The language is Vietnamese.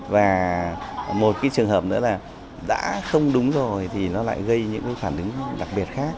và một cái trường hợp nữa là đã không đúng rồi thì nó lại gây những phản ứng đặc biệt khác